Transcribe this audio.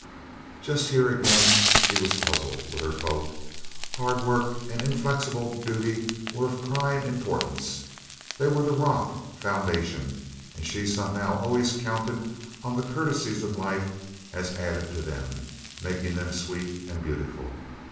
Just here again she was puzzled; with her folk, hard work and inflexible duty were of prime importance; they were the rock foundation; and she somehow had always counted on the courtesies of life as added to them, making them sweet and beautiful.